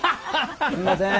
すんません。